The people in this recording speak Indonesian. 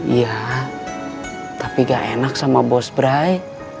iya tapi nggak enak sama bos brai